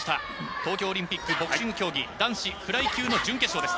東京オリンピックボクシング競技男子フライ級の準決勝です。